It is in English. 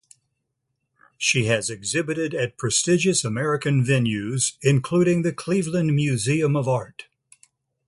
She has exhibited at prestigious American venues, including the Cleveland Museum of Art.